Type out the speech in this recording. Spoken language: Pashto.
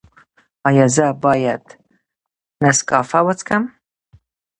ایا زه باید نسکافه وڅښم؟